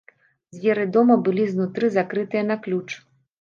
Дзверы дома былі знутры закрытыя на ключ.